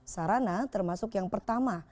sarana termasuk yang pertama